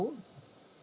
dan akan diberikan ke aau